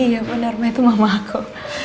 iya benar itu mama aku